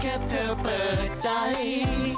เธอเปิดใจ